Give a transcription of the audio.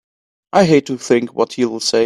I hate to think what he'll say!